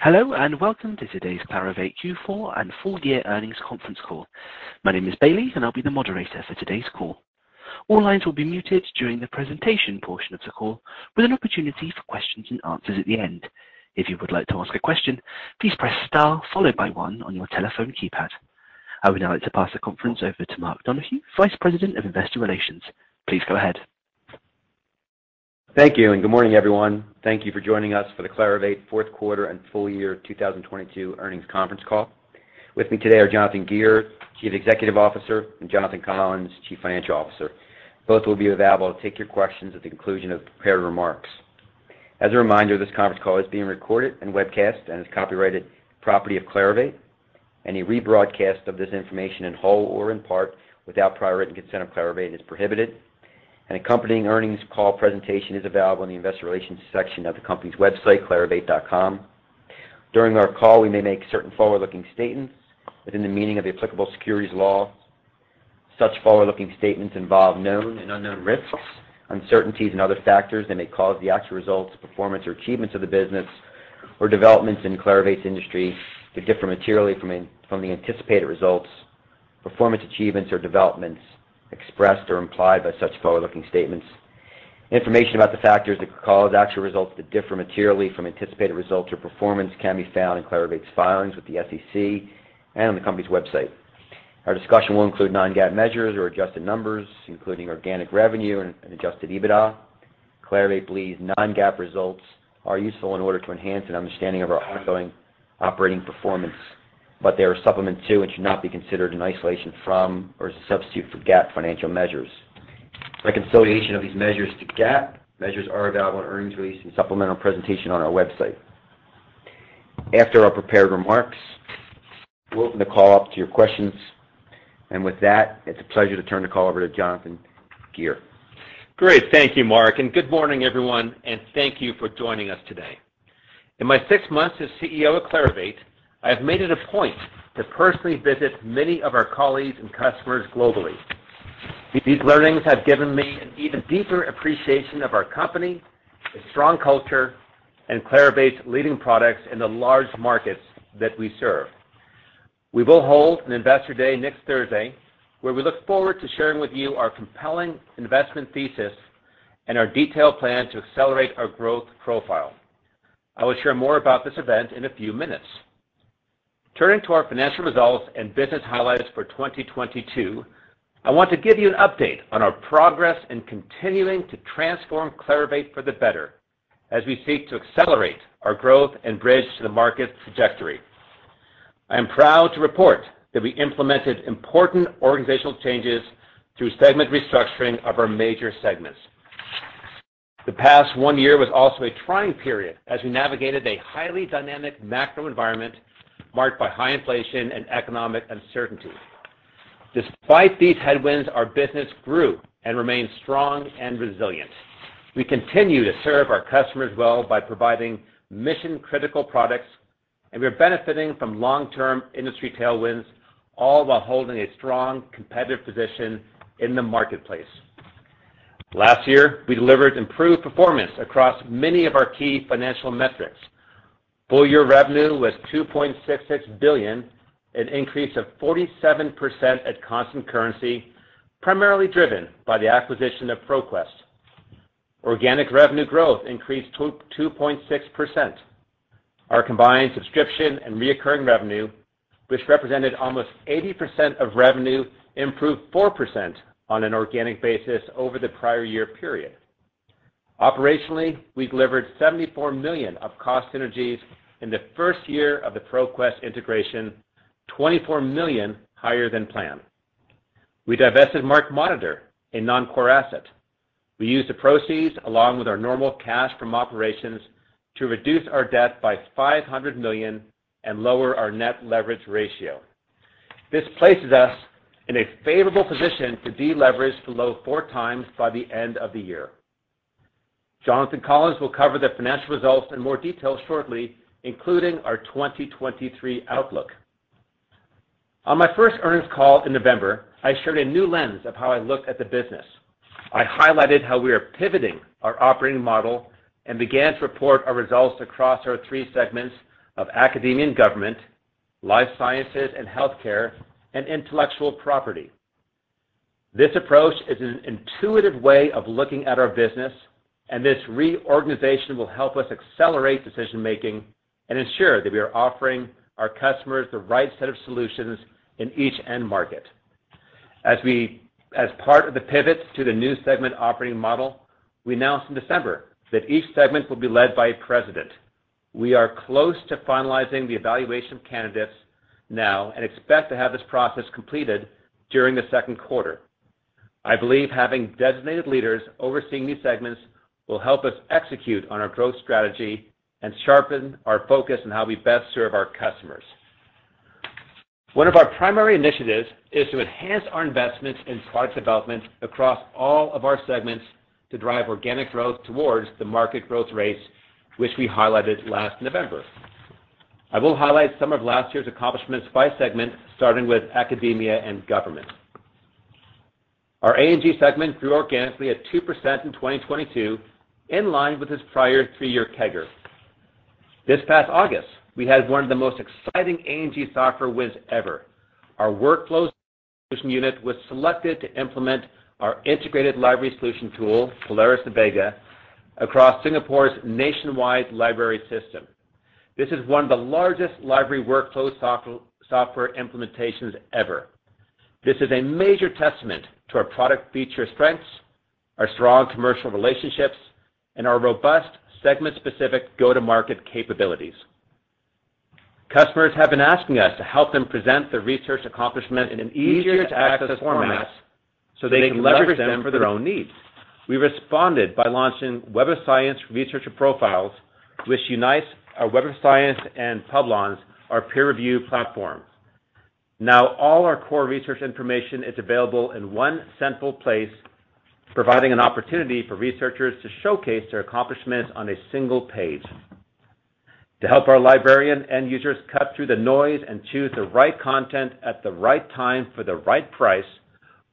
Hello, welcome to today's Clarivate Q4 and full year earnings conference call. My name is Bailey, and I'll be the moderator for today's call. All lines will be muted during the presentation portion of the call, with an opportunity for questions and answers at the end. If you would like to ask a question, please press star followed by one on your telephone keypad. I would now like to pass the conference over to Mark Donohue, Vice President of Investor Relations. Please go ahead. Thank you. Good morning, everyone. Thank you for joining us for the Clarivate fourth quarter and full year 2022 earnings conference call. With me today are Jonathan Gear, Chief Executive Officer, and Jonathan Collins, Chief Financial Officer. Both will be available to take your questions at the conclusion of prepared remarks. As a reminder, this conference call is being recorded and webcast and is copyrighted property of Clarivate. Any rebroadcast of this information in whole or in part without prior written consent of Clarivate is prohibited. An accompanying earnings call presentation is available in the investor relations section of the company's website, clarivate.com. During our call, we may make certain forward-looking statements within the meaning of the applicable securities law. Such forward-looking statements involve known and unknown risks, uncertainties, and other factors that may cause the actual results, performance, or achievements of the business or developments in Clarivate's industry to differ materially from the anticipated results, performance, achievements, or developments expressed or implied by such forward-looking statements. Information about the factors that could cause actual results to differ materially from anticipated results or performance can be found in Clarivate's filings with the SEC and on the company's website. Our discussion will include non-GAAP measures or adjusted numbers, including organic revenue and adjusted EBITDA. Clarivate believes non-GAAP results are useful in order to enhance an understanding of our ongoing operating performance, but they are supplement to and should not be considered in isolation from or as a substitute for GAAP financial measures. Reconciliation of these measures to GAAP measures are available on earnings release and supplemental presentation on our website. After our prepared remarks, we'll open the call up to your questions. With that, it's a pleasure to turn the call over to Jonathan Gear. Great. Thank you, Mark, and good morning, everyone, and thank you for joining us today. In my six months as CEO of Clarivate, I have made it a point to personally visit many of our colleagues and customers globally. These learnings have given me an even deeper appreciation of our company, a strong culture, and Clarivate's leading products in the large markets that we serve. We will hold an investor day next Thursday, where we look forward to sharing with you our compelling investment thesis and our detailed plan to accelerate our growth profile. I will share more about this event in a few minutes. Turning to our financial results and business highlights for 2022, I want to give you an update on our progress in continuing to transform Clarivate for the better as we seek to accelerate our growth and bridge to the market trajectory. I am proud to report that we implemented important organizational changes through segment restructuring of our major segments. The past one year was also a trying period as we navigated a highly dynamic macro environment marked by high inflation and economic uncertainty. Despite these headwinds, our business grew and remains strong and resilient. We continue to serve our customers well by providing mission-critical products, and we are benefiting from long-term industry tailwinds, all while holding a strong competitive position in the marketplace. Last year, we delivered improved performance across many of our key financial metrics. Full year revenue was $2.66 billion, an increase of 47% at constant currency, primarily driven by the acquisition of ProQuest. Organic revenue growth increased 2.6%. Our combined subscription and recurring revenue, which represented almost 80% of revenue, improved 4% on an organic basis over the prior year period. Operationally, we delivered $74 million of cost synergies in the first year of the ProQuest integration, $24 million higher than planned. We divested MarkMonitor, a non-core asset. We used the proceeds along with our normal cash from operations to reduce our debt by $500 million and lower our net leverage ratio. This places us in a favorable position to deleverage below 4 times by the end of the year. Jonathan Collins will cover the financial results in more detail shortly, including our 2023 outlook. On my first earnings call in November, I shared a new lens of how I look at the business. I highlighted how we are pivoting our operating model and began to report our results across our 3 segments of Academia and Government, Life Sciences and Healthcare, and Intellectual Property. This approach is an intuitive way of looking at our business, and this reorganization will help us accelerate decision-making and ensure that we are offering our customers the right set of solutions in each end market. As part of the pivot to the new segment operating model, we announced in December that each segment will be led by a president. We are close to finalizing the evaluation of candidates now and expect to have this process completed during the second quarter. I believe having designated leaders overseeing these segments will help us execute on our growth strategy and sharpen our focus on how we best serve our customers. One of our primary initiatives is to enhance our investments in product development across all of our segments to drive organic growth towards the market growth rates which we highlighted last November. I will highlight some of last year's accomplishments by segment, starting with Academia and Government. Our A&G segment grew organically at 2% in 2022, in line with its prior 3-year CAGR. This past August, we had one of the most exciting A&G software wins ever. Our workflows solution unit was selected to implement our integrated library solution tool, Polaris Vega, across Singapore's nationwide library system. This is one of the largest library workflow software implementations ever. This is a major testament to our product feature strengths, our strong commercial relationships, and our robust segment-specific go-to-market capabilities. Customers have been asking us to help them present their research accomplishment in an easier to access format so they can leverage them for their own needs. We responded by launching Web of Science Researcher Profiles, which unites our Web of Science and Publons, our peer review platform. All our core research information is available in one central place, providing an opportunity for researchers to showcase their accomplishments on a single page. To help our librarian end users cut through the noise and choose the right content at the right time for the right price,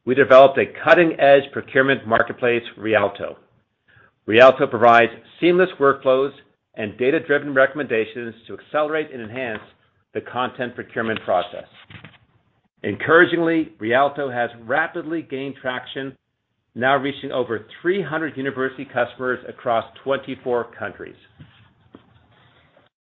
we developed a cutting-edge procurement marketplace, Rialto. Rialto provides seamless workflows and data-driven recommendations to accelerate and enhance the content procurement process. Encouragingly, Rialto has rapidly gained traction, now reaching over 300 university customers across 24 countries.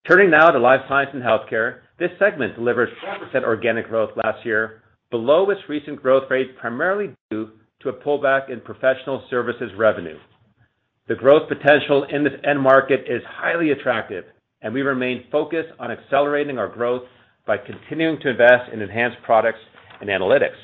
Turning now to Life Sciences and Healthcare. This segment delivered 4% organic growth last year below its recent growth rate, primarily due to a pullback in professional services revenue. The growth potential in this end market is highly attractive. We remain focused on accelerating our growth by continuing to invest in enhanced products and analytics.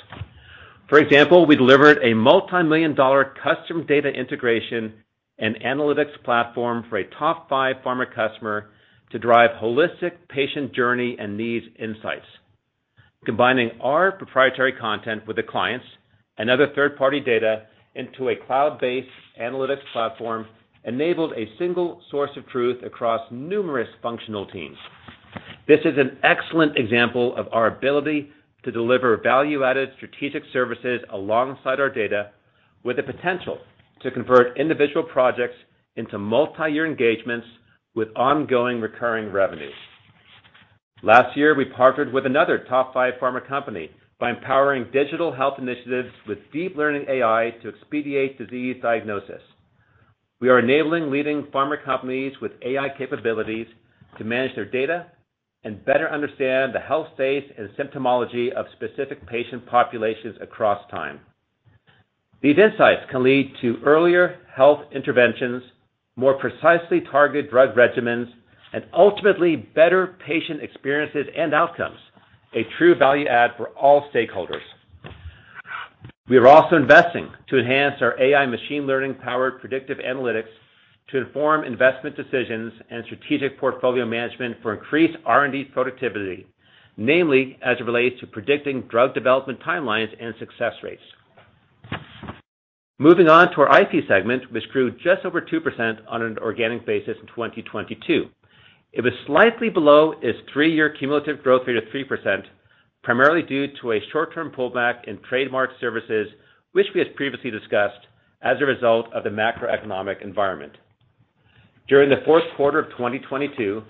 For example, we delivered a multi-million dollar custom data integration and analytics platform for a top five pharma customer to drive holistic patient journey and needs insights. Combining our proprietary content with the clients and other third-party data into a cloud-based analytics platform enabled a single source of truth across numerous functional teams. This is an excellent example of our ability to deliver value-added strategic services alongside our data with the potential to convert individual projects into multi-year engagements with ongoing recurring revenue. Last year, we partnered with another top 5 pharma company by empowering digital health initiatives with deep learning AI to expedite disease diagnosis. We are enabling leading pharma companies with AI capabilities to manage their data and better understand the health state and symptomology of specific patient populations across time. These insights can lead to earlier health interventions, more precisely targeted drug regimens, and ultimately better patient experiences and outcomes, a true value add for all stakeholders. We are also investing to enhance our AI machine learning powered predictive analytics to inform investment decisions and strategic portfolio management for increased R&D productivity, namely, as it relates to predicting drug development timelines and success rates. Moving on to our IP segment, which grew just over 2% on an organic basis in 2022. It was slightly below its three-year cumulative growth rate of 3%, primarily due to a short-term pullback in trademark services, which we had previously discussed as a result of the macroeconomic environment. During the fourth quarter of 2022,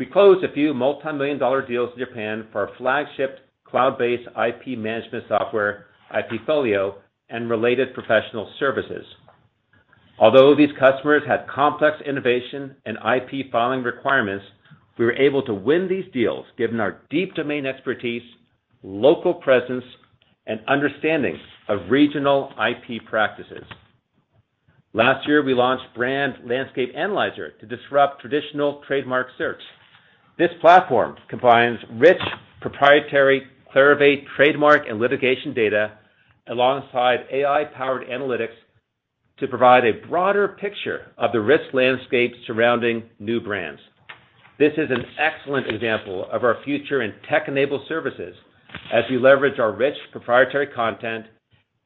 we closed a few multi-million dollar deals in Japan for our flagship cloud-based IP management software, IPfolio, and related professional services. Although these customers had complex innovation and IP filing requirements, we were able to win these deals given our deep domain expertise, local presence, and understanding of regional IP practices. Last year, we launched Brand Landscape Analyzer to disrupt traditional trademark search. This platform combines rich proprietary Clarivate trademark and litigation data alongside AI-powered analytics to provide a broader picture of the risk landscape surrounding new brands. This is an excellent example of our future in tech-enabled services as we leverage our rich proprietary content,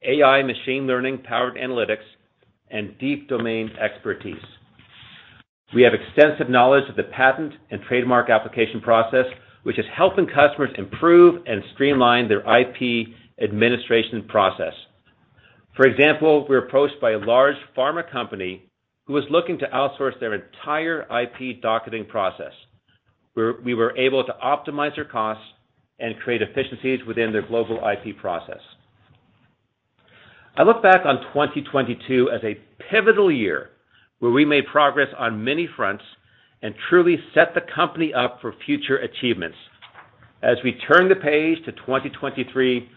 AI machine learning powered analytics, and deep domain expertise. We have extensive knowledge of the patent and trademark application process, which is helping customers improve and streamline their IP administration process. For example, we were approached by a large pharma company who was looking to outsource their entire IP docketing process, where we were able to optimize their costs and create efficiencies within their global IP process. I look back on 2022 as a pivotal year where we made progress on many fronts and truly set the company up for future achievements. As we turn the page to 2023,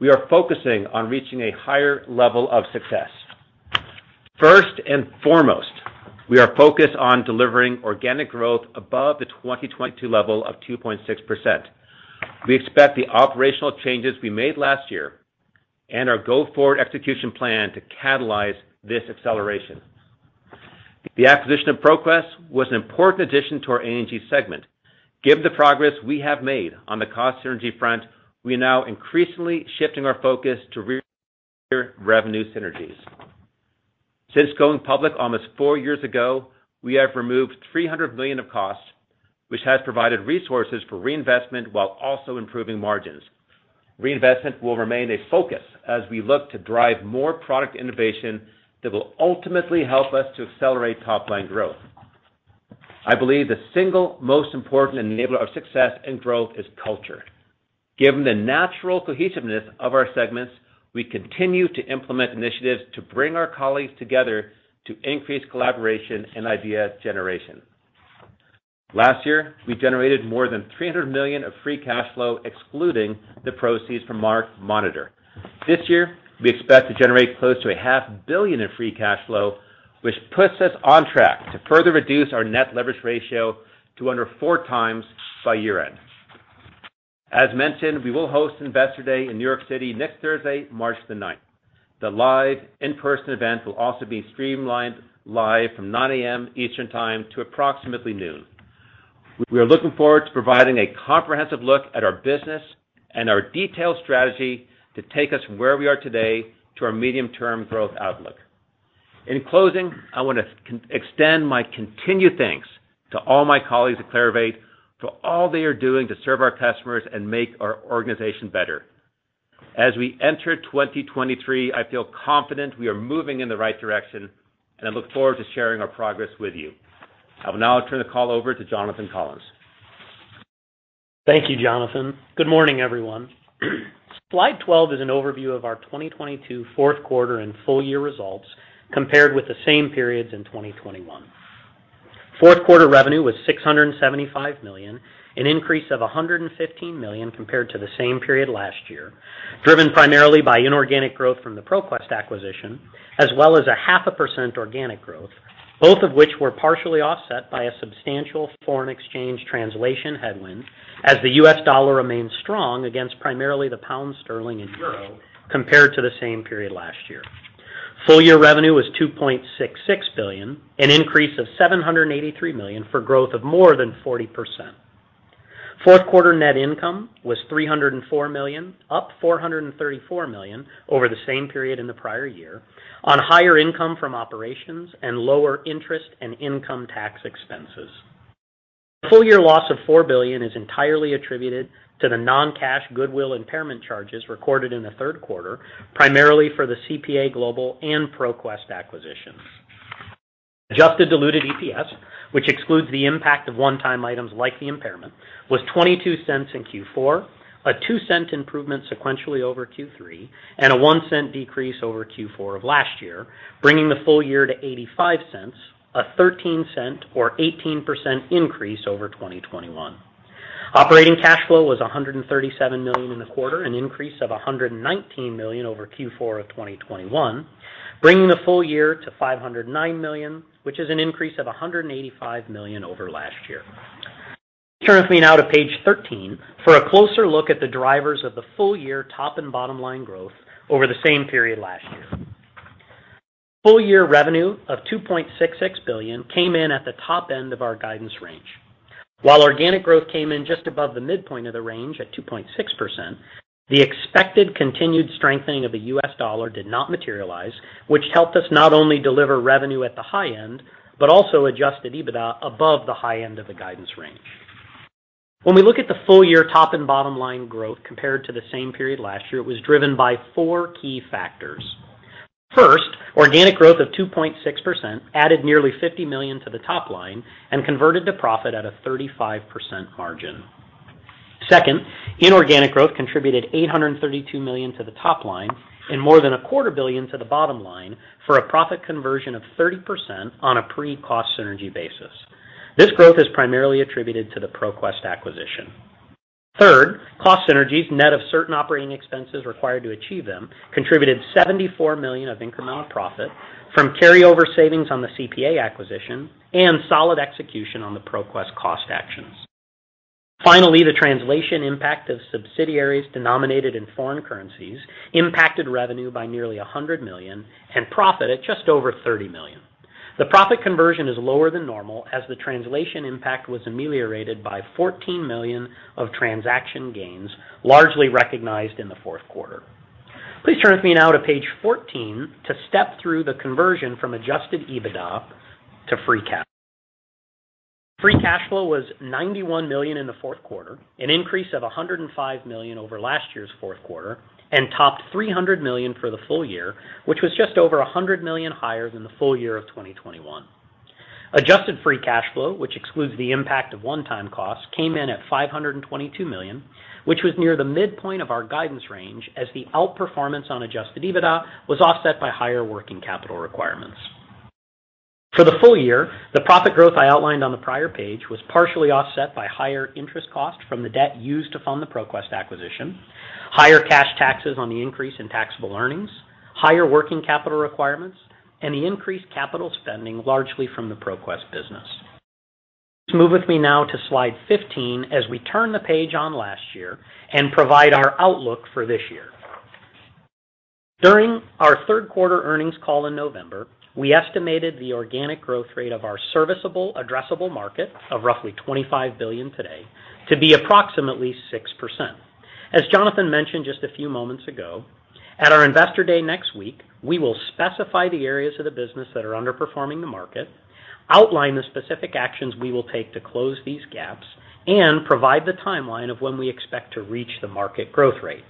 we are focusing on reaching a higher level of success. First and foremost, we are focused on delivering organic growth above the 2022 level of 2.6%. We expect the operational changes we made last year and our go-forward execution plan to catalyze this acceleration. The acquisition of ProQuest was an important addition to our A&G segment. Given the progress we have made on the cost synergy front, we are now increasingly shifting our focus to revenue synergies. Since going public almost four years ago, we have removed $300 million of costs, which has provided resources for reinvestment while also improving margins. Reinvestment will remain a focus as we look to drive more product innovation that will ultimately help us to accelerate top line growth. I believe the single most important enabler of success and growth is culture. Given the natural cohesiveness of our segments, we continue to implement initiatives to bring our colleagues together to increase collaboration and idea generation. Last year, we generated more than $300 million of free cash flow, excluding the proceeds from MarkMonitor. This year, we expect to generate close to a half billion in free cash flow, which puts us on track to further reduce our net leverage ratio to under 4 times by year-end. As mentioned, we will host Investor Day in New York City next Thursday, March the ninth. The live in-person event will also be streamlined live from 9:00 A.M. Eastern time to approximately noon. We are looking forward to providing a comprehensive look at our business and our detailed strategy to take us from where we are today to our medium-term growth outlook. In closing, I want to extend my continued thanks to all my colleagues at Clarivate for all they are doing to serve our customers and make our organization better. As we enter 2023, I feel confident we are moving in the right direction, and I look forward to sharing our progress with you. I will now turn the call over to Jonathan Collins. Thank you, Jonathan. Good morning, everyone. Slide 12 is an overview of our 2022 fourth quarter and full year results compared with the same periods in 2021. Fourth quarter revenue was $675 million, an increase of $115 million compared to the same period last year, driven primarily by inorganic growth from the ProQuest acquisition, as well as a 0.5% organic growth, both of which were partially offset by a substantial foreign exchange translation headwind as the US dollar remains strong against primarily the pound sterling and euro compared to the same period last year. Full year revenue was $2.66 billion, an increase of $783 million for growth of more than 40%. Fourth quarter net income was $304 million, up $434 million over the same period in the prior year on higher income from operations and lower interest and income tax expenses. Full year loss of $4 billion is entirely attributed to the non-cash goodwill impairment charges recorded in the third quarter, primarily for the CPA Global and ProQuest acquisitions. Adjusted diluted EPS, which excludes the impact of one-time items like the impairment, was $0.22 in Q4, a $0.02 improvement sequentially over Q3, and a $0.01 decrease over Q4 of last year, bringing the full year to $0.85, a $0.13 or 18% increase over 2021. Operating cash flow was $137 million in the quarter, an increase of $119 million over Q4 of 2021, bringing the full year to $509 million, which is an increase of $185 million over last year. Turn with me now to page 13 for a closer look at the drivers of the full year top and bottom line growth over the same period last year. Full year revenue of $2.66 billion came in at the top end of our guidance range. While organic growth came in just above the midpoint of the range at 2.6%, the expected continued strengthening of the US dollar did not materialize, which helped us not only deliver revenue at the high end, but also adjusted EBITDA above the high end of the guidance range. When we look at the full year top and bottom line growth compared to the same period last year, it was driven by four key factors. First, organic growth of 2.6% added nearly $50 million to the top line and converted to profit at a 35% margin. Second, inorganic growth contributed $832 million to the top line and more than a quarter billion USD to the bottom line for a profit conversion of 30% on a pre-cost synergy basis. This growth is primarily attributed to the ProQuest acquisition. Third, cost synergies, net of certain operating expenses required to achieve them, contributed $74 million of incremental profit from carryover savings on the CPA acquisition and solid execution on the ProQuest cost actions. The translation impact of subsidiaries denominated in foreign currencies impacted revenue by nearly $100 million and profit at just over $30 million. The profit conversion is lower than normal as the translation impact was ameliorated by $14 million of transaction gains, largely recognized in the fourth quarter. Please turn with me now to page 14 to step through the conversion from adjusted EBITDA to free cash. Free cash flow was $91 million in the fourth quarter, an increase of $105 million over last year's fourth quarter, and topped $300 million for the full year, which was just over $100 million higher than the full year of 2021. Adjusted free cash flow, which excludes the impact of one-time costs, came in at $522 million, which was near the midpoint of our guidance range as the outperformance on adjusted EBITDA was offset by higher working capital requirements. For the full year, the profit growth I outlined on the prior page was partially offset by higher interest costs from the debt used to fund the ProQuest acquisition, higher cash taxes on the increase in taxable earnings, higher working capital requirements, and the increased capital spending largely from the ProQuest business. Move with me now to slide 15 as we turn the page on last year and provide our outlook for this year. During our third quarter earnings call in November, we estimated the organic growth rate of our serviceable addressable market of roughly $25 billion today to be approximately 6%. As Jonathan Gear mentioned just a few moments ago, at our Investor Day next week, we will specify the areas of the business that are underperforming the market, outline the specific actions we will take to close these gaps, and provide the timeline of when we expect to reach the market growth rate.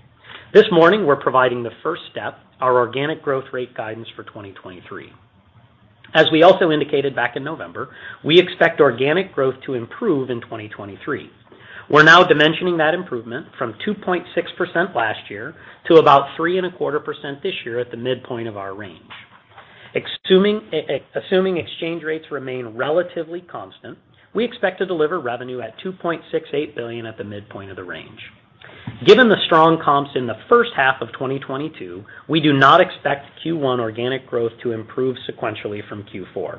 This morning, we're providing the first step, our organic growth rate guidance for 2023. As we also indicated back in November, we expect organic growth to improve in 2023. We're now dimensioning that improvement from 2.6% last year to about 3.25% this year at the midpoint of our range. Assuming exchange rates remain relatively constant, we expect to deliver revenue at $2.68 billion at the midpoint of the range. Given the strong comps in the first half of 2022, we do not expect Q1 organic growth to improve sequentially from Q4.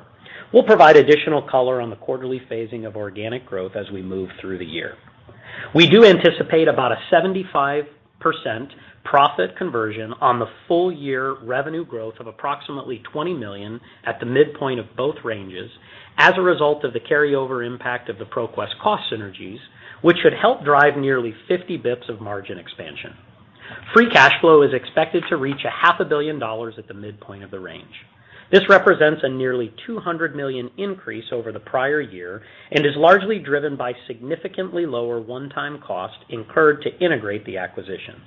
We'll provide additional color on the quarterly phasing of organic growth as we move through the year. We do anticipate about a 75% profit conversion on the full year revenue growth of approximately $20 million at the midpoint of both ranges as a result of the carryover impact of the ProQuest cost synergies, which should help drive nearly 50 basis points of margin expansion. Free cash flow is expected to reach a half a billion dollars at the midpoint of the range. This represents a nearly $200 million increase over the prior year and is largely driven by significantly lower one-time costs incurred to integrate the acquisitions.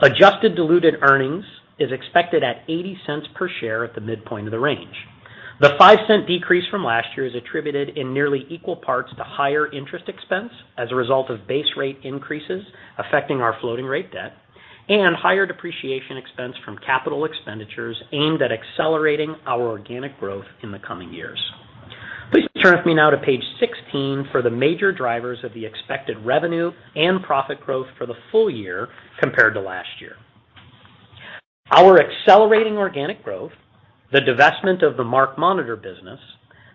Adjusted diluted earnings is expected at $0.80 per share at the midpoint of the range. The $0.05 decrease from last year is attributed in nearly equal parts to higher interest expense as a result of base rate increases affecting our floating rate debt and higher depreciation expense from capital expenditures aimed at accelerating our organic growth in the coming years. Please turn with me now to page 16 for the major drivers of the expected revenue and profit growth for the full year compared to last year. Our accelerating organic growth, the divestment of the MarkMonitor business,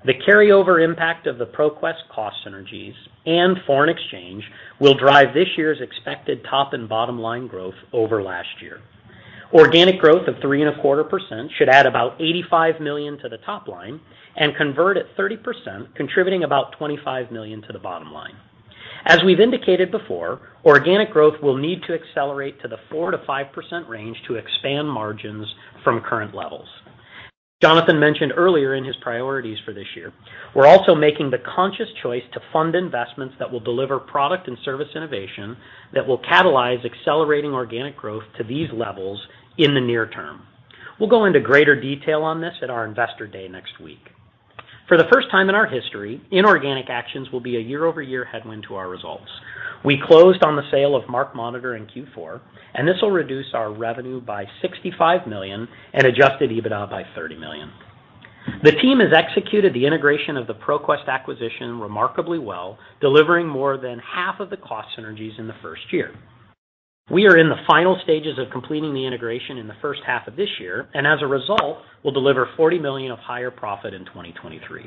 the carryover impact of the ProQuest cost synergies, and foreign exchange will drive this year's expected top and bottom line growth over last year. Organic growth of 3.25% should add about $85 million to the top line and convert at 30%, contributing about $25 million to the bottom line. As we've indicated before, organic growth will need to accelerate to the 4%-5% range to expand margins from current levels. Jonathan mentioned earlier in his priorities for this year, we're also making the conscious choice to fund investments that will deliver product and service innovation that will catalyze accelerating organic growth to these levels in the near term. We'll go into greater detail on this at our Investor Day next week. For the first time in our history, inorganic actions will be a year-over-year headwind to our results. We closed on the sale of MarkMonitor in Q4. This will reduce our revenue by $65 million and adjusted EBITDA by $30 million. The team has executed the integration of the ProQuest acquisition remarkably well, delivering more than half of the cost synergies in the first year. We are in the final stages of completing the integration in the first half of this year. As a result, we'll deliver $40 million of higher profit in 2023.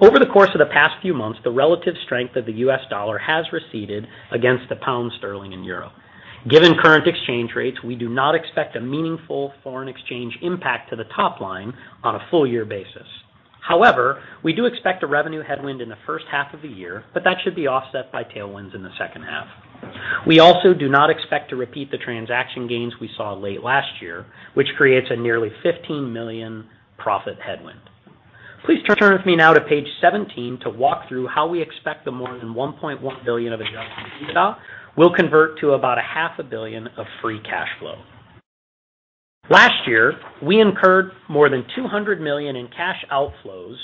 Over the course of the past few months, the relative strength of the U.S. dollar has receded against the pound sterling in Europe. Given current exchange rates, we do not expect a meaningful foreign exchange impact to the top line on a full year basis. We do expect a revenue headwind in the first half of the year. That should be offset by tailwinds in the second half. We also do not expect to repeat the transaction gains we saw late last year, which creates a nearly $15 million profit headwind. Please turn with me now to page 17 to walk through how we expect the more than $1.1 billion of adjusted EBITDA will convert to about a half a billion of free cash flow. Last year, we incurred more than $200 million in cash outflows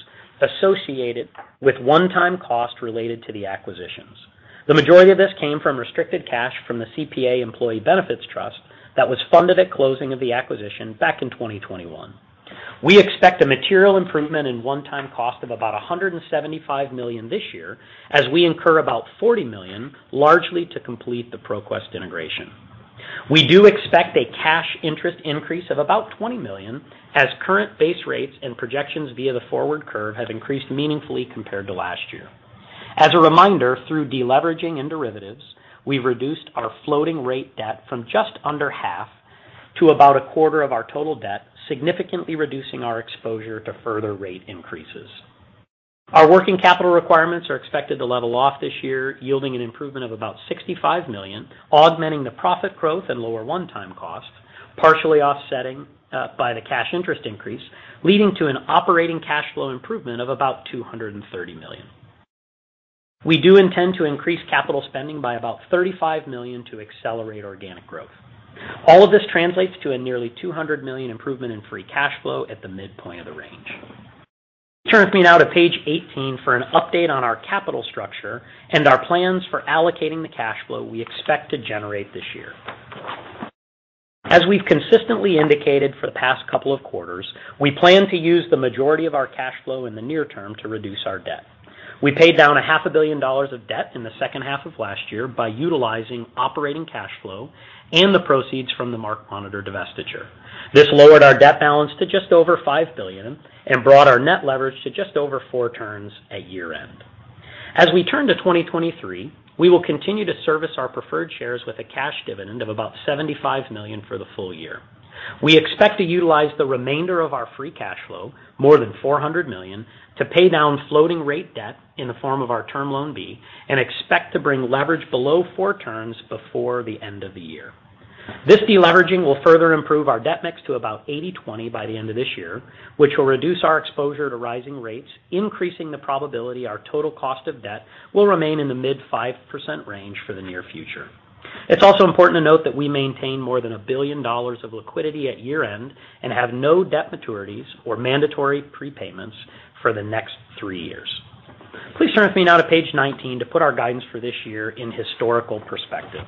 associated with one-time costs related to the acquisitions. The majority of this came from restricted cash from the CPA Employee Benefits Trust that was funded at closing of the acquisition back in 2021. We expect a material improvement in one-time cost of about $175 million this year as we incur about $40 million, largely to complete the ProQuest integration. We do expect a cash interest increase of about $20 million as current base rates and projections via the forward curve have increased meaningfully compared to last year. As a reminder, through deleveraging and derivatives, we've reduced our floating rate debt from just under half to about a quarter of our total debt, significantly reducing our exposure to further rate increases. Our working capital requirements are expected to level off this year, yielding an improvement of about $65 million, augmenting the profit growth and lower one-time costs, partially offsetting by the cash interest increase, leading to an operating cash flow improvement of about $230 million. We do intend to increase capital spending by about $35 million to accelerate organic growth. All of this translates to a nearly $200 million improvement in free cash flow at the midpoint of the range. Turn with me now to page 18 for an update on our capital structure and our plans for allocating the cash flow we expect to generate this year. As we've consistently indicated for the past couple of quarters, we plan to use the majority of our cash flow in the near term to reduce our debt. We paid down a half a billion dollars of debt in the second half of last year by utilizing operating cash flow and the proceeds from the MarkMonitor divestiture. This lowered our debt balance to just over $5 billion and brought our net leverage to just over 4 turns at year-end. As we turn to 2023, we will continue to service our preferred shares with a cash dividend of about $75 million for the full year. We expect to utilize the remainder of our free cash flow, more than $400 million, to pay down floating rate debt in the form of our Term Loan B, and expect to bring leverage below 4 turns before the end of the year. This de-leveraging will further improve our debt mix to about 80/20 by the end of this year, which will reduce our exposure to rising rates, increasing the probability our total cost of debt will remain in the mid 5% range for the near future. It's also important to note that we maintain more than $1 billion of liquidity at year-end and have no debt maturities or mandatory prepayments for the next 3 years. Please turn with me now to page 19 to put our guidance for this year in historical perspective.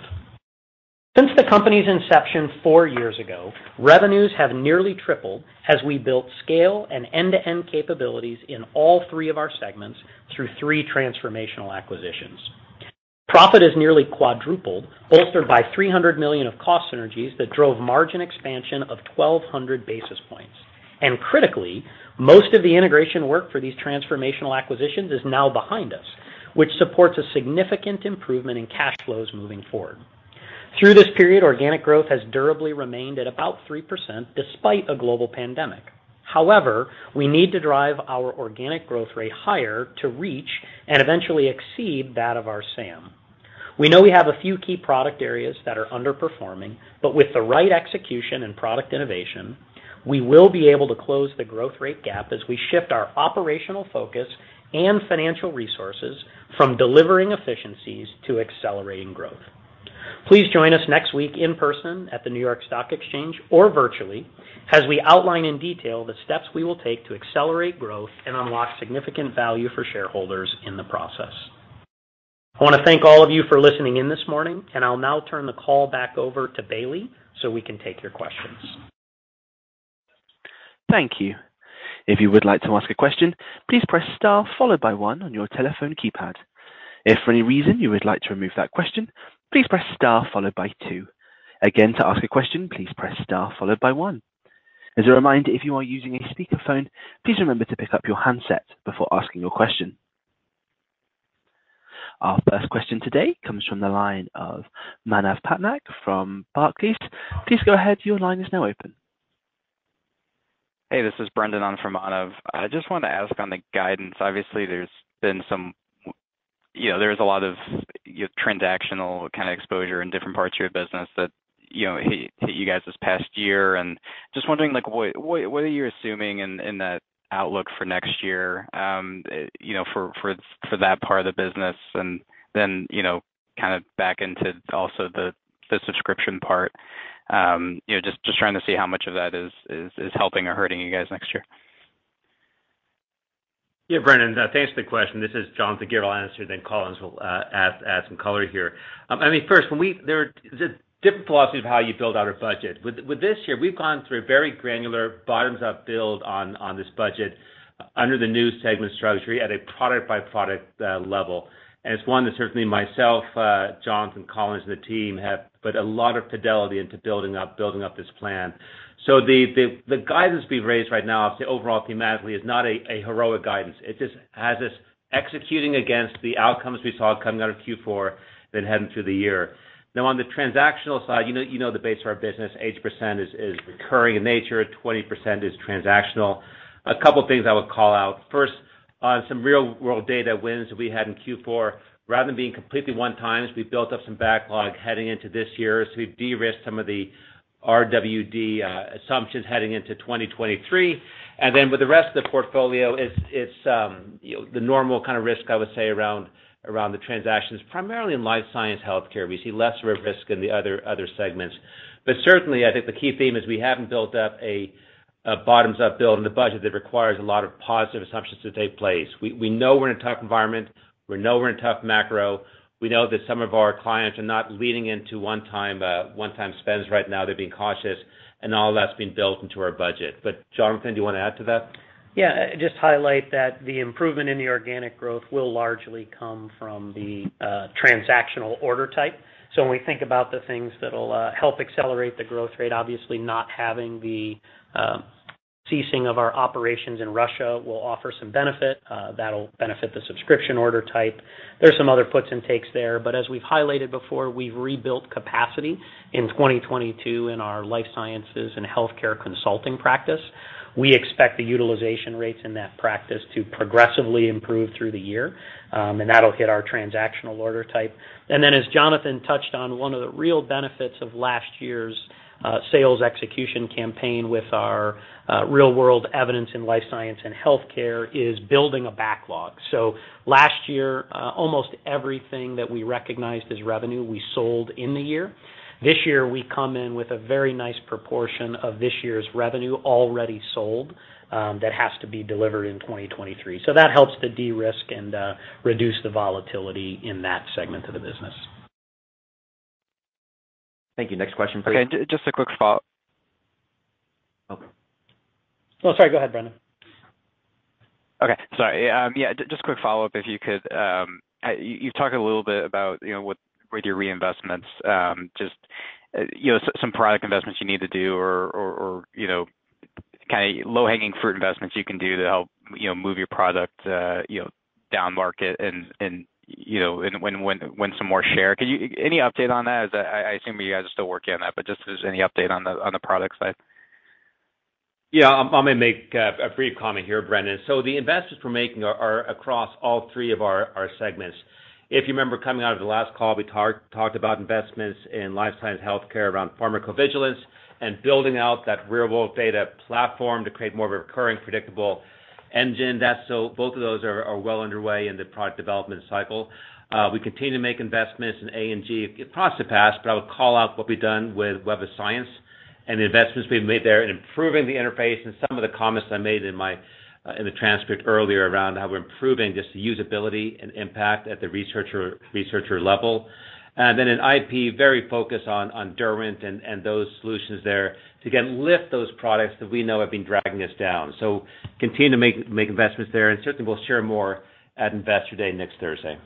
Since the company's inception 4 years ago, revenues have nearly tripled as we built scale and end-to-end capabilities in all 3 of our segments through 3 transformational acquisitions. Profit has nearly quadrupled, bolstered by $300 million of cost synergies that drove margin expansion of 1,200 basis points. Critically, most of the integration work for these transformational acquisitions is now behind us, which supports a significant improvement in cash flows moving forward. Through this period, organic growth has durably remained at about 3% despite a global pandemic. We need to drive our organic growth rate higher to reach and eventually exceed that of our SAM. We know we have a few key product areas that are underperforming, but with the right execution and product innovation, we will be able to close the growth rate gap as we shift our operational focus and financial resources from delivering efficiencies to accelerating growth. Please join us next week in person at the New York Stock Exchange or virtually as we outline in detail the steps we will take to accelerate growth and unlock significant value for shareholders in the process. I wanna thank all of you for listening in this morning, and I'll now turn the call back over to Bailey so we can take your questions. Thank you. If you would like to ask a question, please press star followed by one on your telephone keypad. If for any reason you would like to remove that question, please press star followed by two. Again, to ask a question, please press star followed by one. As a reminder, if you are using a speakerphone, please remember to pick up your handset before asking your question. Our first question today comes from the line of Manav Patnaik from Barclays. Please go ahead. Your line is now open. Hey, this is Brendan on from Manav. I just wanted to ask on the guidance. Obviously, there's been you know, there's a lot of your transactional kind of exposure in different parts of your business that, you know, hit you guys this past year. Just wondering, like, what are you assuming in that outlook for next year, you know, for that part of the business and then, you know, kind of back into also the subscription part? You know, just trying to see how much of that is helping or hurting you guys next year? Yeah, Brendan, thanks for the question. This is Jonathan Gear. I'll answer, Collins will add some color here. I mean, first, the different philosophy of how you build out a budget. With this year, we've gone through a very granular bottoms-up build on this budget under the new segment structure at a product-by-product level. It's one that certainly myself, Jonathan, Collins and the team have put a lot of fidelity into building up this plan. The guidance we've raised right now, I'd say overall thematically is not a heroic guidance. It just has us executing against the outcomes we saw coming out of Q4 than heading through the year. Now, on the transactional side, you know, the base of our business, 80% is recurring in nature, 20% is transactional. A couple things I would call out. First, on some real-world data wins that we had in Q4, rather than being completely one-times, we built up some backlog heading into this year. We've de-risked some of the RWD assumptions heading into 2023. With the rest of the portfolio, it's, you know, the normal kind of risk, I would say, around the transactions, primarily in Life Sciences and Healthcare. We see lesser risk in the other segments. Certainly, I think the key theme is we haven't built up a bottoms-up build in the budget that requires a lot of positive assumptions to take place. We know we're in a tough environment. We know we're in tough macro. We know that some of our clients are not leaning into one-time spends right now. They're being cautious and all that's being built into our budget. Jonathan, do you want to add to that? Just highlight that the improvement in the organic growth will largely come from the transactional order type. When we think about the things that'll help accelerate the growth rate, obviously not having the ceasing of our operations in Russia will offer some benefit. That'll benefit the subscription order type. There's some other puts and takes there, but as we've highlighted before, we've rebuilt capacity in 2022 in our Life Sciences and Healthcare consulting practice. We expect the utilization rates in that practice to progressively improve through the year, and that'll hit our transactional order type. As Jonathan touched on, one of the real benefits of last year's sales execution campaign with our real-world evidence in Life Sciences and Healthcare is building a backlog. Last year, almost everything that we recognized as revenue, we sold in the year. This year, we come in with a very nice proportion of this year's revenue already sold, that has to be delivered in 2023. That helps to de-risk and reduce the volatility in that segment of the business. Thank you. Next question, please. Okay. Just a quick follow up. Oh. Oh, sorry. Go ahead, Brendan. Okay. Sorry. Yeah, just a quick follow-up, if you could. You talked a little bit about, you know, with your reinvestments, just, you know, some product investments you need to do or, you know... Kind of low-hanging fruit investments you can do to help, you know, move your product, you know, down market and, you know, and win some more share. Can you any update on that? As I assume you guys are still working on that, but just if there's any update on the, on the product side. Yeah. I'm gonna make a brief comment here, Brendan. The investments we're making across all three of our segments. If you remember coming out of the last call, we talked about investments in life science healthcare around pharmacovigilance and building out that real-world data platform to create more of a recurring predictable engine. Both of those are well underway in the product development cycle. We continue to make investments in A&G across the past, but I would call out what we've done with Web of Science and the investments we've made there in improving the interface and some of the comments I made in my in the transcript earlier around how we're improving just the usability and impact at the researcher level. In IP, very focused on Derwent and those solutions there to, again, lift those products that we know have been dragging us down. Continue to make investments there, and certainly we'll share more at Investor Day next Thursday.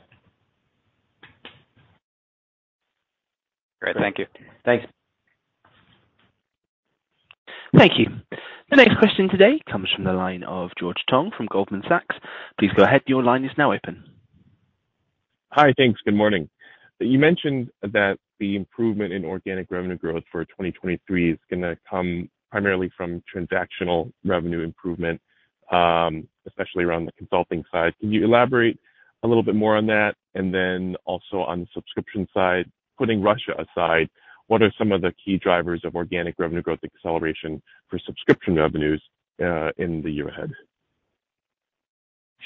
Great. Thank you. Thanks. Thank you. The next question today comes from the line of George Tong from Goldman Sachs. Please go ahead. Your line is now open. Hi. Thanks. Good morning. You mentioned that the improvement in organic revenue growth for 2023 is gonna come primarily from transactional revenue improvement, especially around the consulting side. Can you elaborate a little bit more on that? Also on the subscription side, putting Russia aside, what are some of the key drivers of organic revenue growth acceleration for subscription revenues in the year ahead?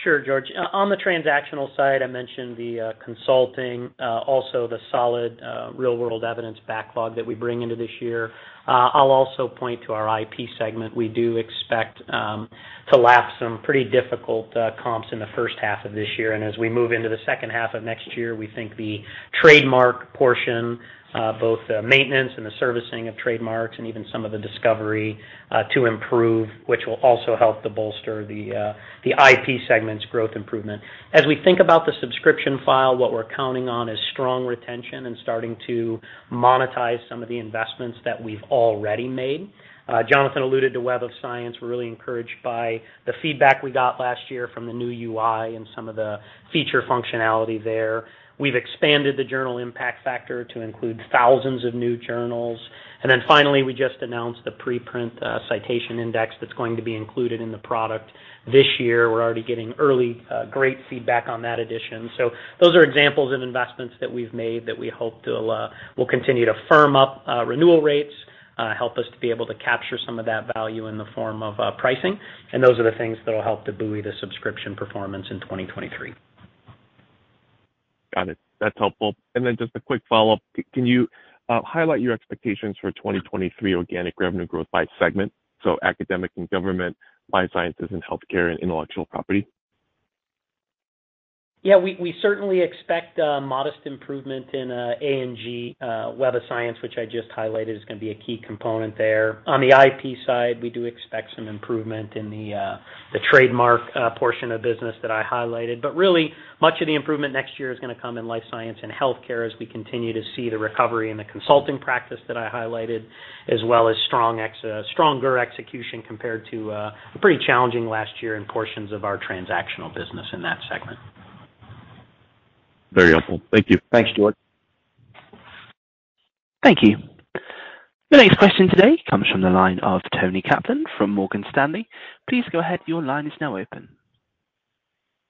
Sure, George. On the transactional side, I mentioned the consulting, also the solid real-world evidence backlog that we bring into this year. I'll also point to our IP segment. We do expect to lap some pretty difficult comps in the first half of this year. As we move into the second half of next year, we think the trademark portion, both the maintenance and the servicing of trademarks and even some of the discovery, to improve, which will also help to bolster the IP segment's growth improvement. As we think about the subscription file, what we're counting on is strong retention and starting to monetize some of the investments that we've already made. Jonathan alluded to Web of Science. We're really encouraged by the feedback we got last year from the new UI and some of the feature functionality there. We've expanded the Journal Impact Factor to include thousands of new journals. Finally, we just announced a Preprint Citation Index that's going to be included in the product this year. We're already getting early great feedback on that addition. Those are examples of investments that we've made that we hope they'll will continue to firm up renewal rates, help us to be able to capture some of that value in the form of pricing. Those are the things that'll help to buoy the subscription performance in 2023. Got it. That's helpful. Then just a quick follow-up. Can you highlight your expectations for 2023 organic revenue growth by segment, so Academia and Government, Life Sciences and Healthcare, and Intellectual Property? Yeah. We certainly expect a modest improvement in A&G, Web of Science, which I just highlighted, is gonna be a key component there. On the IP side, we do expect some improvement in the trademark portion of business that I highlighted. Really, much of the improvement next year is gonna come in Life Sciences and Healthcare as we continue to see the recovery in the consulting practice that I highlighted, as well as stronger execution compared to a pretty challenging last year in portions of our transactional business in that segment. Very helpful. Thank you. Thanks, George. Thank you. The next question today comes from the line of Toni Kaplan from Morgan Stanley. Please go ahead. Your line is now open.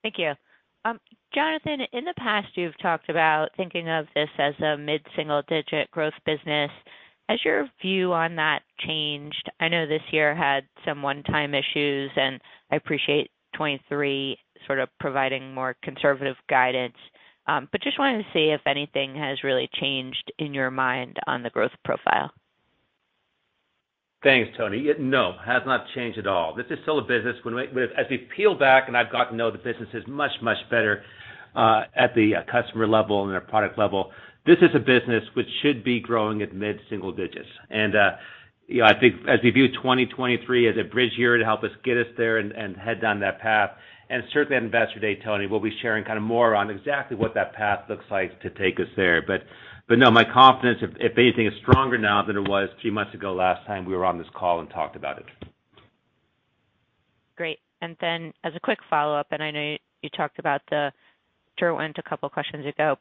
Thank you. Jonathan, in the past, you've talked about thinking of this as a mid-single digit growth business. Has your view on that changed? I know this year had some one-time issues, and I appreciate 23 sort of providing more conservative guidance. Just wanted to see if anything has really changed in your mind on the growth profile. Thanks, Toni. No, has not changed at all. This is still a business as we peel back, and I've got to know the business is much, much better at the customer level and their product level. This is a business which should be growing at mid-single digits. You know, I think as we view 2023 as a bridge year to help us get us there and head down that path. Certainly at Investor Day, Toni, we'll be sharing kind of more on exactly what that path looks like to take us there. But no, my confidence, if anything, is stronger now than it was 2 months ago last time we were on this call and talked about it. Great. Then as a quick follow-up, and I know you talked about the Derwent a couple questions ago,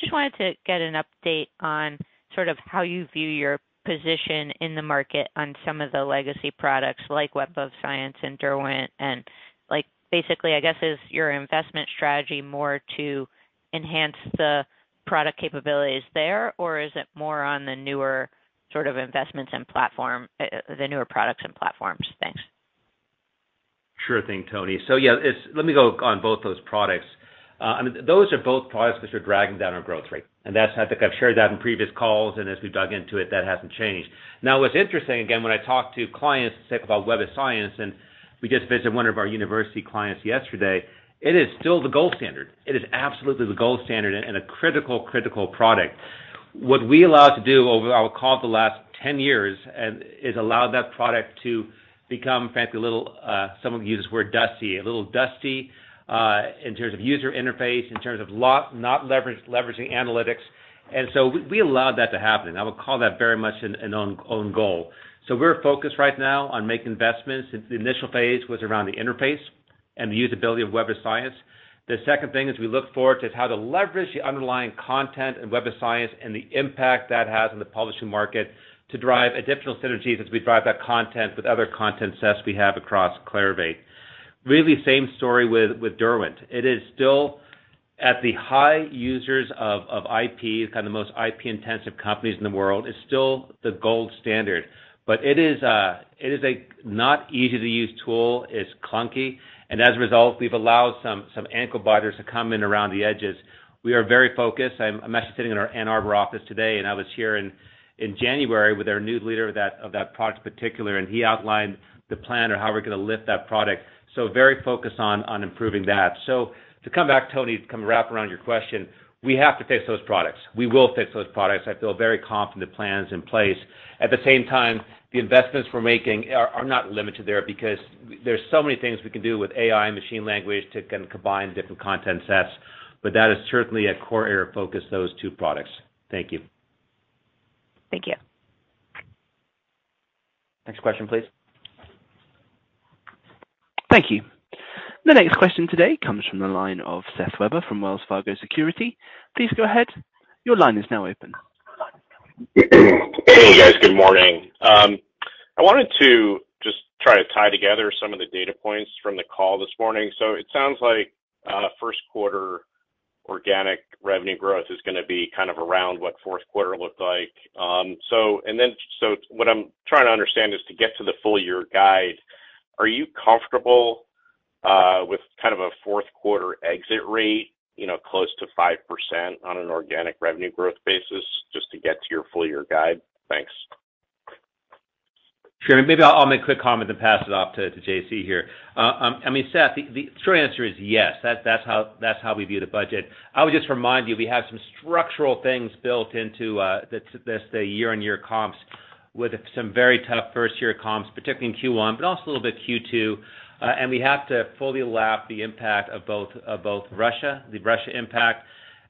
just wanted to get an update on sort of how you view your position in the market on some of the legacy products like Web of Science and Derwent, and like, basically, I guess, is your investment strategy more to enhance the product capabilities there, or is it more on the newer sort of investments and platform, the newer products and platforms? Thanks. Sure thing, Toni. Yeah, let me go on both those products. I mean, those are both products which are dragging down our growth rate, and that's, I think I've shared that in previous calls, and as we dug into it, that hasn't changed. What's interesting, again, when I talk to clients, say, about Web of Science, and we just visited one of our university clients yesterday, it is still the gold standard. It is absolutely the gold standard and a critical product. What we allowed to do over, I would call it the last 10 years, is allowed that product to become, frankly, a little, some would use the word dusty, a little dusty, in terms of user interface, in terms of leveraging analytics. We allowed that to happen, and I would call that very much an own goal. We're focused right now on making investments. The initial phase was around the interface and the usability of Web of Science. The second thing is we look forward to how to leverage the underlying content in Web of Science and the impact that has on the publishing market to drive additional synergies as we drive that content with other content sets we have across Clarivate. Really same story with Derwent. It is still at the high users of IP, kind of most IP intensive companies in the world, it's still the gold standard. It is a not easy-to-use tool. It's clunky, and as a result, we've allowed some ankle biters to come in around the edges. We are very focused. I'm actually sitting in our Ann Arbor office today, and I was here in January with our new leader of that product particular, and he outlined the plan on how we're gonna lift that product. Very focused on improving that. To come back, Tony, to come wrap around your question, we have to fix those products. We will fix those products. I feel very confident the plan's in place. At the same time, the investments we're making are not limited there because there's so many things we can do with AI and machine learning to kind of combine different content sets, but that is certainly a core area of focus, those two products. Thank you. Thank you. Next question, please. Thank you. The next question today comes from the line of Seth Weber from Wells Fargo Securities. Please go ahead. Your line is now open. Hey, guys. Good morning. I wanted to just try to tie together some of the data points from the call this morning. It sounds like first quarter organic revenue growth is gonna be kind of around what fourth quarter looked like. What I'm trying to understand is to get to the full year guide, are you comfortable with kind of a fourth quarter exit rate, you know, close to 5% on an organic revenue growth basis just to get to your full year guide? Thanks. Sure. Maybe I'll make a quick comment then pass it off to J.C. here. I mean, Seth, the true answer is yes. That's how we view the budget. I would just remind you, we have some structural things built into the year-on-year comps with some very tough first year comps, particularly in Q1, but also a little bit Q2. We have to fully lap the impact of both Russia, the Russia impact,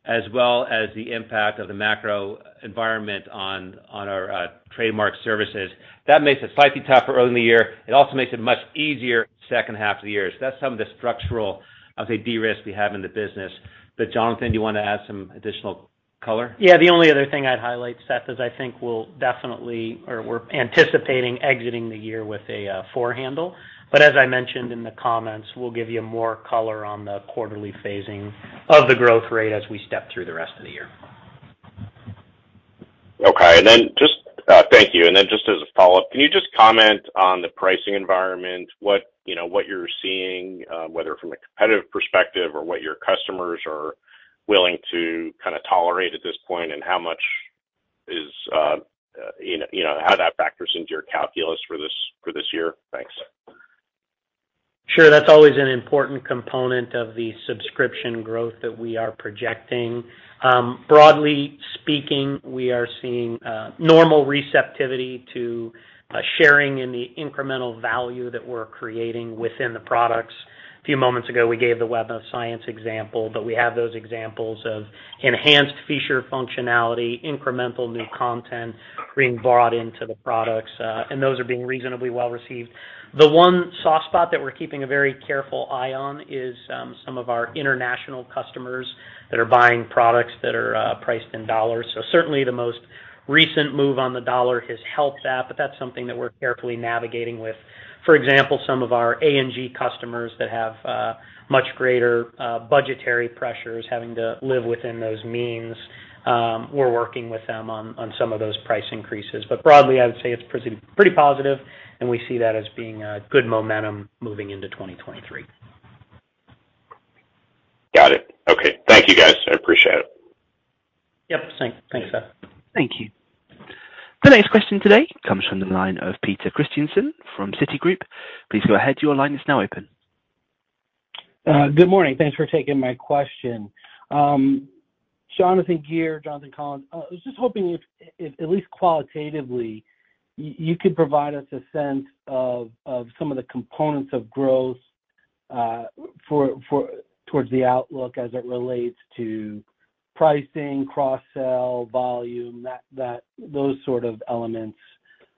as well as the impact of the macro environment on our trademark services. That makes it slightly tougher early in the year. It also makes it much easier second half of the year. That's some of the structural, I'll say, de-risk we have in the business. Jonathan, do you want to add some additional color? Yeah. The only other thing I'd highlight, Seth, is I think we'll definitely or we're anticipating exiting the year with a four handle. As I mentioned in the comments, we'll give you more color on the quarterly phasing of the growth rate as we step through the rest of the year. Okay. Thank you. Then just as a follow-up, can you just comment on the pricing environment, what, you know, what you're seeing, whether from a competitive perspective or what your customers are willing to kind of tolerate at this point and how much is, you know, you know, how that factors into your calculus for this, for this year? Thanks. Sure. That's always an important component of the subscription growth that we are projecting. Broadly speaking, we are seeing normal receptivity to a sharing in the incremental value that we're creating within the products. A few moments ago, we gave the Web of Science example, but we have those examples of enhanced feature functionality, incremental new content being brought into the products, and those are being reasonably well received. The one soft spot that we're keeping a very careful eye on is some of our international customers that are buying products that are priced in US dollars. Certainly the most recent move on the US dollar has helped that, but that's something that we're carefully navigating with. For example, some of our A&G customers that have much greater budgetary pressures having to live within those means, we're working with them on some of those price increases. Broadly, I would say it's pretty positive, and we see that as being a good momentum moving into 2023. Got it. Okay. Thank you, guys. I appreciate it. Yep. Thanks, Seth. Thank you. The next question today comes from the line of Peter Christiansen from Citigroup. Please go ahead. Your line is now open. Good morning. Thanks for taking my question. Jonathan Gear, Jonathan Collins, I was just hoping if at least qualitatively you could provide us a sense of some of the components of growth towards the outlook as it relates to pricing, cross sell, volume, those sort of elements.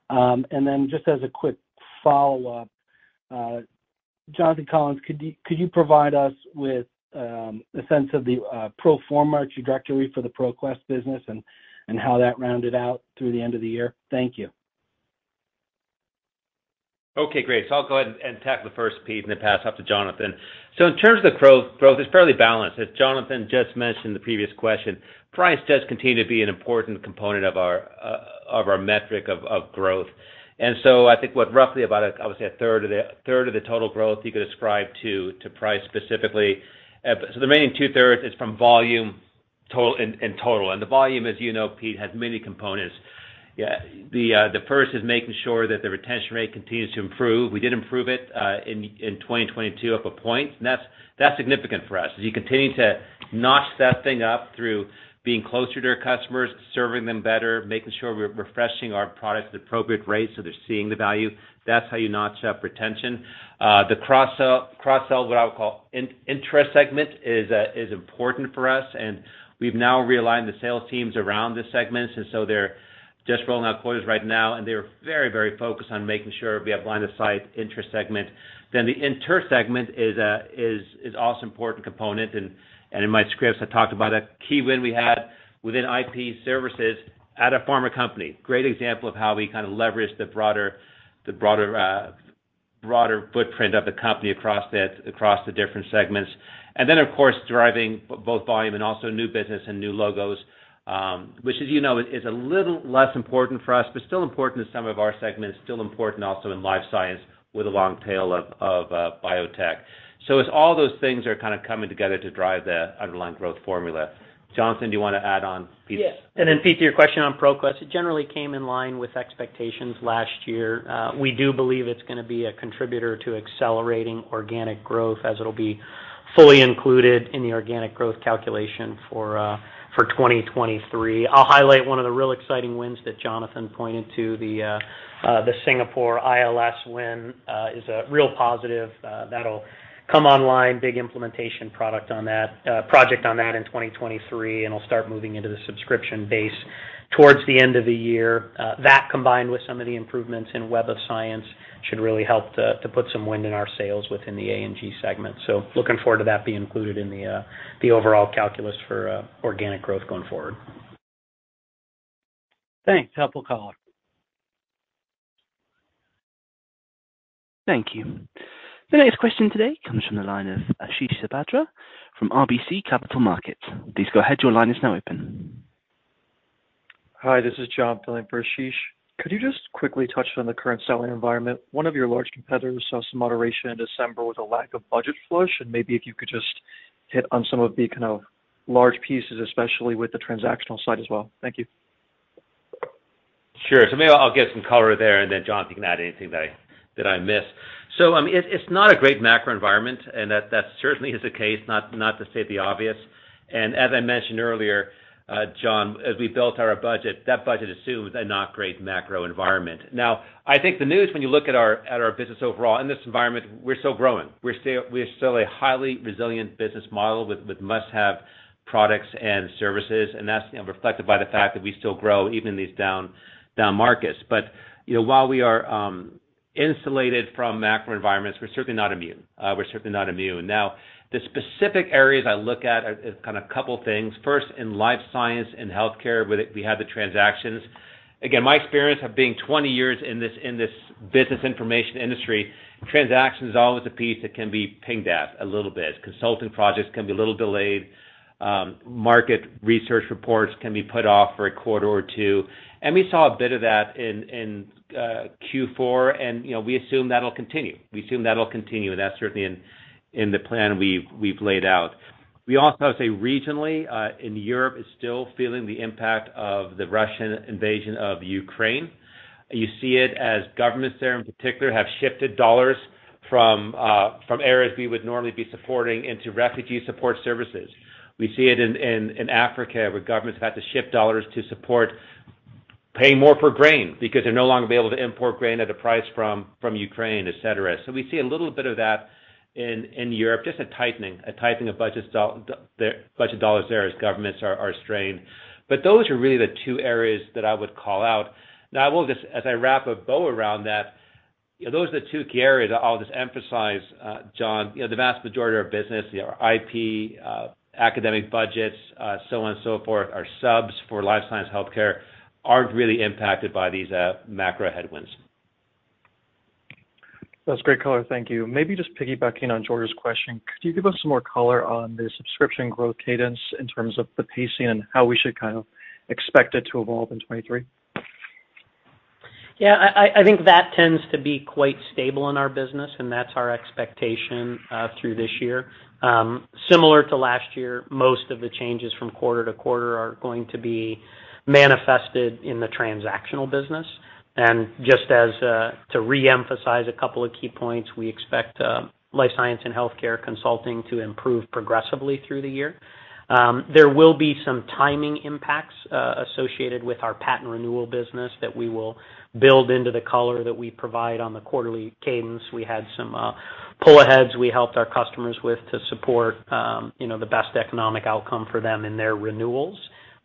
Then just as a quick follow-up, Jonathan Collins, could you provide us with a sense of the pro forma trajectory for the ProQuest business and how that rounded out through the end of the year? Thank you. Okay, great. I'll go ahead and tackle the first piece and then pass off to Jonathan. In terms of the growth, it's fairly balanced. As Jonathan just mentioned in the previous question, price does continue to be an important component of our metric of growth. I think what roughly about, I would say, 1/3 of the total growth you could ascribe to price specifically. The remaining 2/3 is from volume in total. The volume, as you know, Pete, has many components. The first is making sure that the retention rate continues to improve. We did improve it in 2022 up a point. That's significant for us, is you continue to notch that thing up through being closer to our customers, serving them better, making sure we're refreshing our products at appropriate rates so they're seeing the value. That's how you notch that retention. The cross sell, what I would call intra segment is important for us, we've now realigned the sales teams around the segments, they're just rolling out quarters right now, and they're very, very focused on making sure we have line of sight intra segment. The inter segment is also important component. In my scripts, I talked about a key win we had within IP services at a former company. Great example of how we kind of leverage the broader footprint of the company across the different segments. Of course, driving both volume and also new business and new logos, which as you know is a little less important for us, but still important to some of our segments, still important also in life science with a long tail of biotech. As all those things are kind of coming together to drive the underlying growth formula. Jonathan, do you wanna add on piece? Yes. Then Pete, to your question on ProQuest. It generally came in line with expectations last year. We do believe it's gonna be a contributor to accelerating organic growth as it'll be fully included in the organic growth calculation for 2023. I'll highlight one of the real exciting wins that Jonathan pointed to, the Singapore ILS win, is a real positive, that'll come online, big implementation project on that in 2023, and it'll start moving into the subscription base towards the end of the year. That combined with some of the improvements in Web of Science, should really help to put some wind in our sails within the A&G segment. Looking forward to that being included in the overall calculus for organic growth going forward. Thanks. Helpful color. Thank you. The next question today comes from the line of Ashish Sabadra from RBC Capital Markets. Please go ahead. Your line is now open. Hi, this is John filling for Ashish. Could you just quickly touch on the current selling environment? One of your large competitors saw some moderation in December with a lack of budget flush, and maybe if you could just hit on some of the kind of large pieces, especially with the transactional side as well. Thank you. Sure. Maybe I'll give some color there, and then Jon, you can add anything that I miss. It's not a great macro environment, and that certainly is the case, not to state the obvious. As I mentioned earlier, John, as we built our budget, that budget assumes a not great macro environment. I think the news when you look at our business overall in this environment, we're still growing. We're still a highly resilient business model with must-have products and services, and that's, you know, reflected by the fact that we still grow even in these down markets. You know, while we are insulated from macro environments, we're certainly not immune. We're certainly not immune. The specific areas I look at are kind of couple things. First, in Life Sciences and Healthcare with it, we have the transactions. Again, my experience of being 20 years in this business information industry, transactions is always a piece that can be pinged at a little bit. Consulting projects can be a little delayed. Market research reports can be put off for a quarter or two. We saw a bit of that in Q4, and, you know, we assume that'll continue. We assume that'll continue, and that's certainly in the plan we've laid out. We also say regionally, in Europe is still feeling the impact of the Russian invasion of Ukraine. You see it as governments there in particular have shifted $ from areas we would normally be supporting into refugee support services. We see it in Africa, where governments have had to shift $ to support paying more for grain because they're no longer be able to import grain at a price from Ukraine, et cetera. We see a little bit of that in Europe, just a tightening, the budget $ there as governments are strained. Those are really the two areas that I would call out. I will just as I wrap a bow around that, you know, those are the two key areas that I'll just emphasize, John, you know, the vast majority of our business, you know, our IP, academic budgets, so on and so forth, our subs for Life Science Healthcare aren't really impacted by these, macro headwinds. That's great color. Thank you. Maybe just piggybacking on George's question, could you give us some more color on the subscription growth cadence in terms of the pacing and how we should kind of expect it to evolve in 2023? Yeah. I think that tends to be quite stable in our business, and that's our expectation through this year. Similar to last year, most of the changes from quarter to quarter are going to be manifested in the transactional business. Just as to reemphasize a couple of key points, we expect Life Sciences and Healthcare consulting to improve progressively through the year. There will be some timing impacts associated with our patent renewal business that we will build into the color that we provide on the quarterly cadence. We had some pull aheads we helped our customers with to support, you know, the best economic outcome for them in their renewals.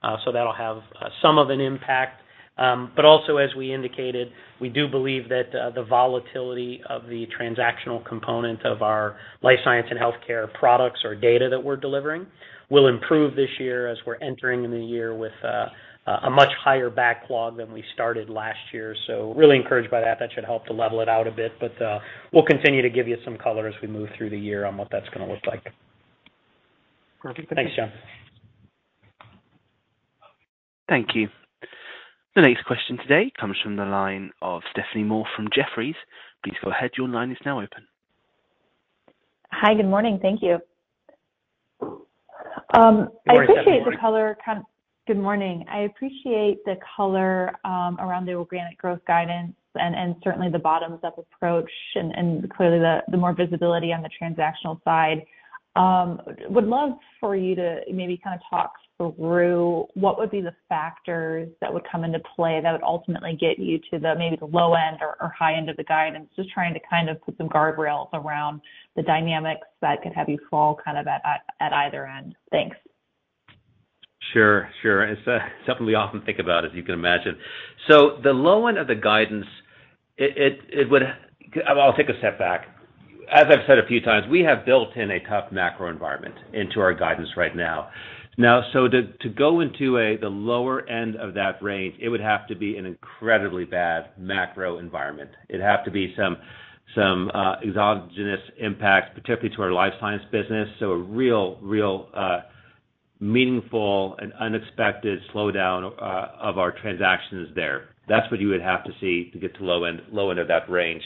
That'll have some of an impact. Also as we indicated, we do believe that the volatility of the transactional component of our Life Sciences and Healthcare products or data that we're delivering will improve this year as we're entering the year with a much higher backlog than we started last year. Really encouraged by that. That should help to level it out a bit. We'll continue to give you some color as we move through the year on what that's gonna look like. Perfect. Thanks, John. Thank you. The next question today comes from the line of Stephanie Moore from Jefferies. Please go ahead. Your line is now open. Hi. Good morning. Thank you. Good morning, Stephanie. Good morning. I appreciate the color around the organic growth guidance and certainly the bottoms up approach and clearly the more visibility on the transactional side. Would love for you to maybe kind of talk through what would be the factors that would come into play that would ultimately get you to the maybe the low end or high end of the guidance. Just trying to kind of put some guardrails around the dynamics that could have you fall kind of at either end. Thanks. Sure. Sure. It's something we often think about, as you can imagine. The low end of the guidance. I'll take a step back. As I've said a few times, we have built in a tough macro environment into our guidance right now. To go into the lower end of that range, it would have to be an incredibly bad macro environment. It'd have to be some exogenous impact, particularly to our Life Science business. A real meaningful and unexpected slowdown of our transactions there. That's what you would have to see to get to the low end of that range.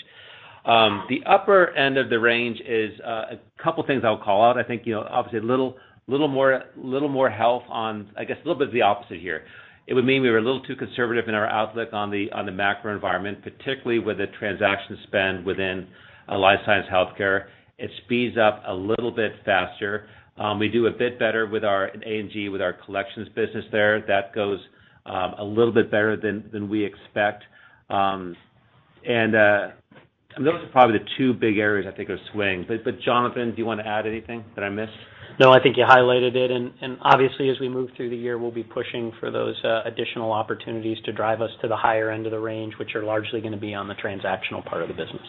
The upper end of the range is a couple things I'll call out. I think, you know, obviously a little more health on... I guess a little bit of the opposite here. It would mean we were a little too conservative in our outlook on the, on the macro environment, particularly with the transaction spend within Life Sciences and Healthcare. It speeds up a little bit faster. We do a bit better with our A&G, with our collections business there. That goes a little bit better than we expect. Those are probably the two big areas I think are swings. Jonathan, do you wanna add anything that I missed? No, I think you highlighted it. Obviously, as we move through the year, we'll be pushing for those additional opportunities to drive us to the higher end of the range, which are largely gonna be on the transactional part of the business.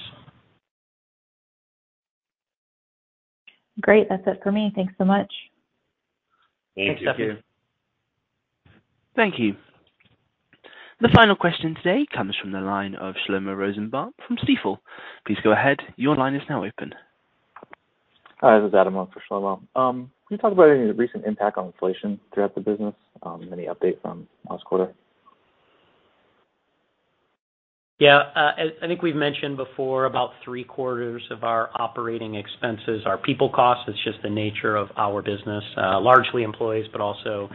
Great. That's it for me. Thanks so much. Thank you. Thanks, Stephanie. Thank you. The final question today comes from the line of Shlomo Rosenbaum from Stifel. Please go ahead. Your line is now open. Hi, this is Adam on for Shlomo. Can you talk about any recent impact on inflation throughout the business? Any update from last quarter? As I think we've mentioned before, about three-quarters of our operating expenses are people costs. It's just the nature of our business. Largely employees, but also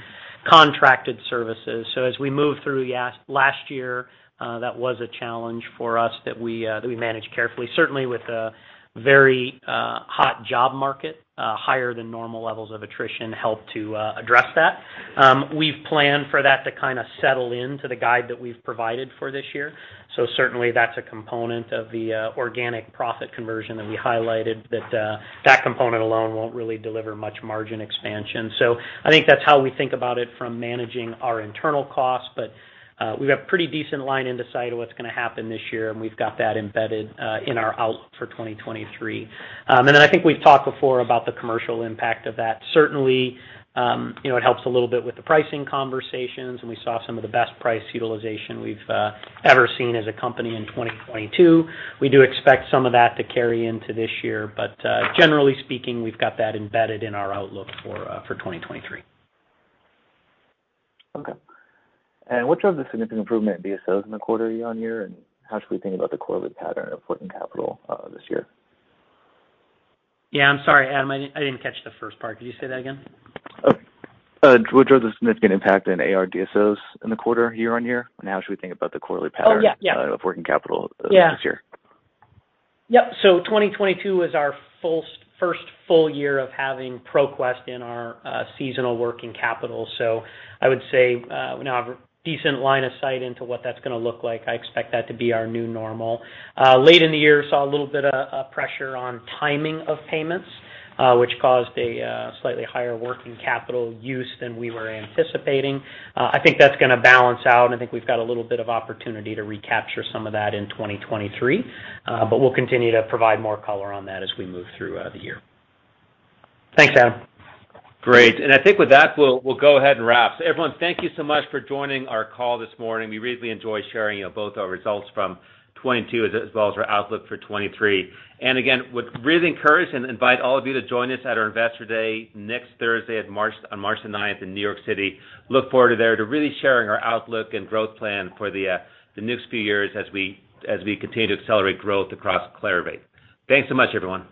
contracted services. As we move through last year, that was a challenge for us that we managed carefully. Certainly with a very hot job market, higher than normal levels of attrition helped to address that. We've planned for that to kinda settle into the guide that we've provided for this year. Certainly that's a component of the organic profit conversion that we highlighted that component alone won't really deliver much margin expansion. I think that's how we think about it from managing our internal costs. We've got pretty decent line into sight of what's gonna happen this year, and we've got that embedded in our out for 2023. I think we've talked before about the commercial impact of that. Certainly, you know, it helps a little bit with the pricing conversations, and we saw some of the best price utilization we've ever seen as a company in 2022. We do expect some of that to carry into this year, but generally speaking, we've got that embedded in our outlook for 2023. Okay. What drove the significant improvement in DSOs in the quarter year-over-year, and how should we think about the quarterly pattern of working capital this year? Yeah. I'm sorry, Adam, I didn't catch the first part. Could you say that again? Oh, what drove the significant impact in AR DSOs in the quarter year-on-year? How should we think about the quarterly pattern? Oh, yeah. Yeah of working capital this year? Yeah. Yep. 2022 was our first full year of having ProQuest in our seasonal working capital. I would say, we now have a decent line of sight into what that's gonna look like. I expect that to be our new normal. Late in the year, saw a little bit of pressure on timing of payments, which caused a slightly higher working capital use than we were anticipating. I think that's gonna balance out, and I think we've got a little bit of opportunity to recapture some of that in 2023. We'll continue to provide more color on that as we move through the year. Thanks, Adam. Great. I think with that, we'll go ahead and wrap. Everyone, thank you so much for joining our call this morning. We really enjoy sharing, you know, both our results from 2022 as well as our outlook for 2023. Again, would really encourage and invite all of you to join us at our Investor Day next Thursday on March 9th in New York City. Look forward to there to really sharing our outlook and growth plan for the next few years as we continue to accelerate growth across Clarivate. Thanks so much, everyone.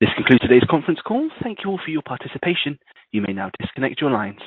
This concludes today's conference call. Thank you all for your participation. You may now disconnect your lines.